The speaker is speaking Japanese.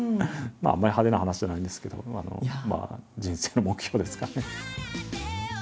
あんまり派手な話じゃないんですけど人生の目標ですかね。